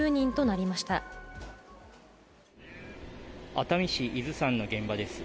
熱海市伊豆山の現場です。